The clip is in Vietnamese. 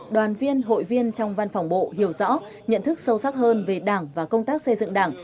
đoàn viên hội viên trong văn phòng bộ hiểu rõ nhận thức sâu sắc hơn về đảng và công tác xây dựng đảng